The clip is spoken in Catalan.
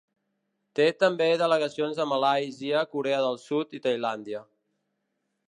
Té també delegacions a Malàisia, Corea del Sud i Tailàndia.